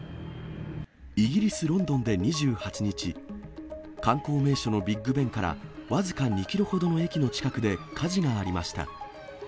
イギリス・ロンドンで２８日、観光名所のビッグ・ベンから僅か２キロほどの駅の近くで火事がありました。